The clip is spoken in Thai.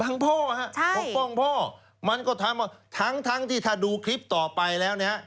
บังพ่อฮะใช่ปกป้องพ่อมันก็ทำทั้งทั้งที่ถ้าดูคลิปต่อไปแล้วนี้